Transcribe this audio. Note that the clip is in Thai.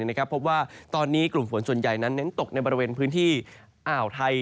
พบว่าตอนนี้กลุ่มฝนส่วนใหญ่นั้นเน้นตกในบริเวณพื้นที่อ่าวไทย